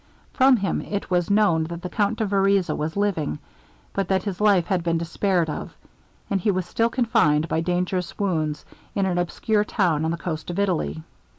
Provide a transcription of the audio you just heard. From him it was known that the Count de Vereza was living, but that his life had been despaired of; and he was still confined, by dangerous wounds, in an obscure town on the coast of Italy.